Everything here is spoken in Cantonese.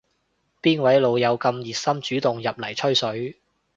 邊位老友咁熱心主動入嚟吹水